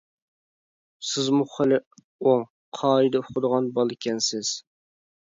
سىزمۇ خېلى ئوڭ، قائىدە ئۇقىدىغان بالىكەنسىز.